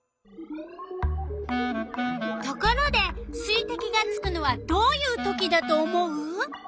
ところで水てきがつくのはどういうときだと思う？